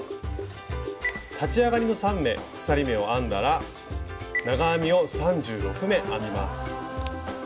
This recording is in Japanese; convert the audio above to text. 立ち上がりの３目鎖目を編んだら長編みを３６目編みます。